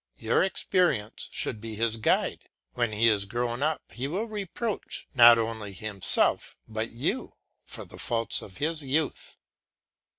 Your experience should be his guide. When he is grown up he will reproach, not only himself, but you, for the faults of his youth."